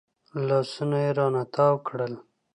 لاسونه يې رانه تاو کړل.